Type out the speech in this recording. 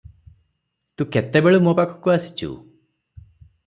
ତୁ କେତେବେଳୁ ମୋ ପାଖକୁ ଆସିଚୁ?